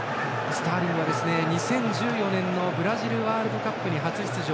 スターリングはブラジルワールドカップで初出場。